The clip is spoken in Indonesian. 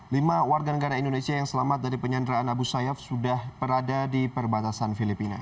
lima warga negara indonesia yang selamat dari penyanderaan abu sayyaf sudah berada di perbatasan filipina